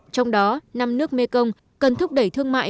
trong đó năm nước mekong cần thúc đẩy thương mại